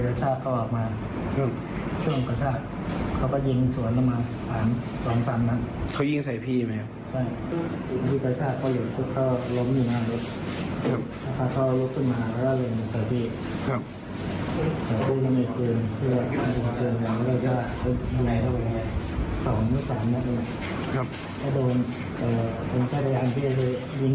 แล้วก็ทำไงถ้าวันนี้๒๓นักเรือถ้าโดนมันก็ได้ทำที่จะยิงช่วงหน้าหน่อย